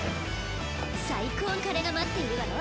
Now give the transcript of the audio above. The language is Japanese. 最高のカレーが待っているわよ